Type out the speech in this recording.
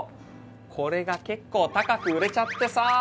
これが結構高く売れちゃってさ。